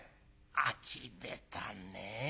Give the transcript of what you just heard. あきれたねぇ。